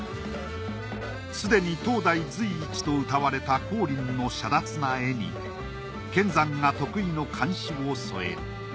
すでに当代随一とうたわれた光琳のしゃだつな絵に乾山が得意の漢詩を沿える。